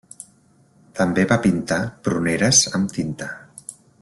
També va pintar pruneres amb tinta.